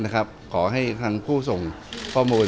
ขอให้ทางผู้ส่งข้อมูลมานะครับ